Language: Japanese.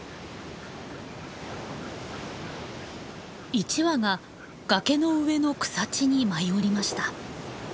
１羽が崖の上の草地に舞い降りました。